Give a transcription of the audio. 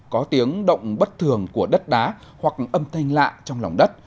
có tiếng động bất thường của đất đá hoặc âm thanh lạ trong lòng đất